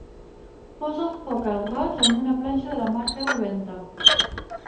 Posa el foc al roig amb una planxa de la marca Rowenta.